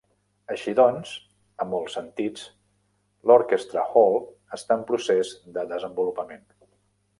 Així doncs, a molts sentits, l'Orchestra Hall està en procés de desenvolupament.